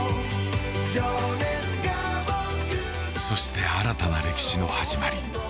そして、新たな歴史の始まり。